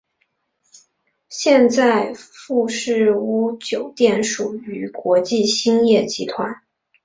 现在富士屋酒店属于国际兴业集团。